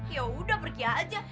ya udah pergi aja